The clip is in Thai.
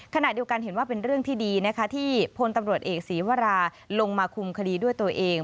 ขณะเดียวกันเห็นว่าเป็นเรื่องที่ดีนะคะที่พลตำรวจเอกศีวราลงมาคุมคดีด้วยตัวเอง